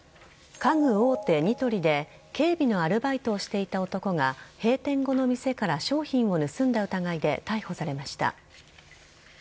家具大手・ニトリで警備のアルバイトをしていた男が閉店後の店から商品を盗んだ疑いで逮捕されました。